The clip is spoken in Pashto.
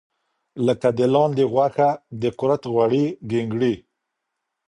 لکه د لاندې غوښه، د کورت غوړي، ګینګړي.